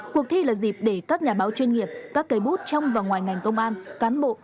cuộc thi là dịp để các nhà báo chuyên nghiệp các cây bút trong và ngoài ngành công an cán bộ